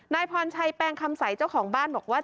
นายพรชัยแปลงคำใสเจ้าของบ้านบอกว่า